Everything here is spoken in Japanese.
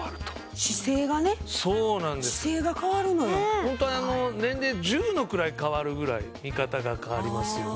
ホント年齢１０の位変わるぐらい見方が変わりますよね。